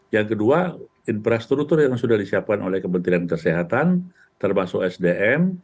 yang kedua infrastruktur yang sudah disiapkan oleh kementerian kesehatan termasuk sdm